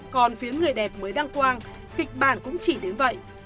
còn phía người đẹp mới đăng quang kịch bản cũng chỉ đến vậy